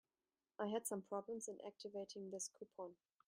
I had some problems in activating this coupon.